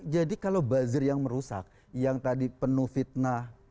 kalau buzzer yang merusak yang tadi penuh fitnah